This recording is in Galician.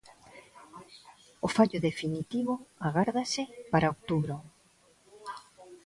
O fallo definitivo agárdase para outubro.